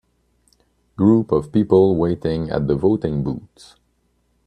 Group of people waiting at the voting booths.